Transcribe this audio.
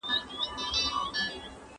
- نه صیبه ګوګل دا د پيزا هوټل اخیستی.